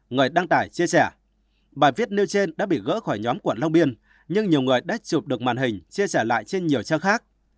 người đăng tải chia sẻ bài viết nêu trên đã bị gỡ khỏi nhóm quận long biên nhưng nhiều người đã chụp được màn hình chia sẻ lại trên nhiều trang khác